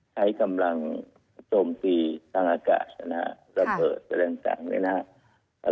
ใช้กำลังโดมตีตั้งอากาศนะครับระเบิดและต่างนะครับ